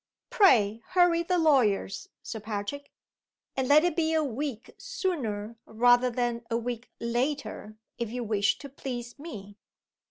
Pray hurry the lawyers, Sir Patrick, and let it be a week sooner rather than a week later, if you wish to please Me."